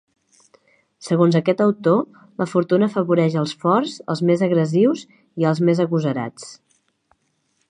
Segons aquest autor la Fortuna afavoreix els forts, els més agressius i als més agosarats.